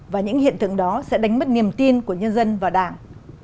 và những hiện tượng đó sẽ đánh mất niềm tin của nhân dân và đảng